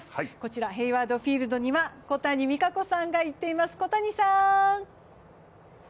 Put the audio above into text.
こちらヘイワード・フィールドには小谷実可子さんが行っています。